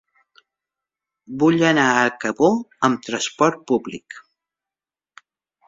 Vull anar a Cabó amb trasport públic.